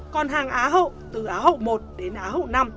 còn hàng á hậu từ á hậu một đến á hậu năm